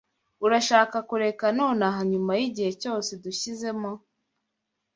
Urashaka kureka nonaha nyuma yigihe cyose dushyizemo?